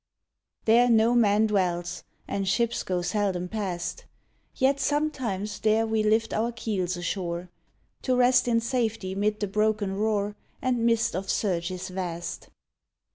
There no man dwells, and ships go seldom past; Yet sometimes there we lift our keels ashore, To rest in safety 'mid the broken roar And mist of surges vast.